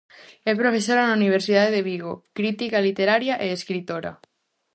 É profesora na Universidade de Vigo, crítica literaria e escritora.